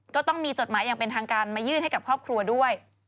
ก็ต้องมีจดหมายอย่างเป็นทางการมายื่นให้กับครอบครัวด้วย